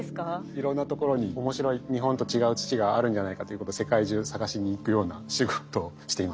いろんなところに面白い日本と違う土があるんじゃないかということ世界中探しに行くような仕事をしています。